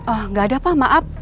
oh nggak ada pak maaf